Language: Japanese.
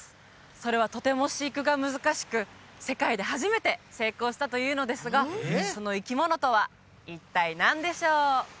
それはとても飼育が難しく世界で初めて成功したというのですがその生き物とは一体何でしょう？